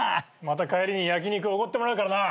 また帰りに焼き肉おごってもらうからな。